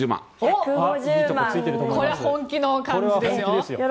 これは本気の感じですよ。